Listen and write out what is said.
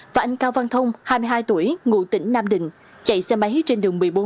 và anh cao văn thông hai mươi hai tuổi ngụ tỉnh nam định chạy xe máy trên đường một mươi bốn